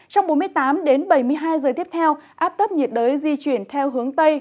trong bốn mươi tám đến bảy mươi hai giờ tiếp theo áp thấp nhiệt đới di chuyển theo hướng tây